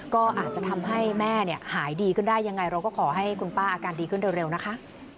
ก็อาจจะทำให้แม่หายดีขึ้นได้ยังไงเราก็ขอให้คุณป้าอาการดีขึ้นเร็วนะคะ